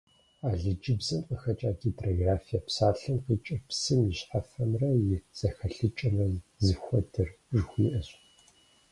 Алыджыбзэм къыхэкIа «гидрографие» псалъэм къикIыр «псым и щхьэфэмрэ и зэхэлъыкIэмрэ зыхуэдэр» жыхуиIэщ.